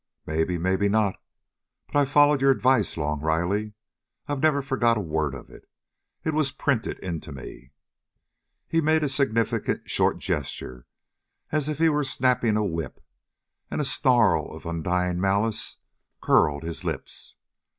"Maybe, maybe not. But I've followed your advice, Long Riley. I've never forgot a word of it. It was printed into me!" He made a significant, short gesture, as if he were snapping a whip, and a snarl of undying malice curled his lips.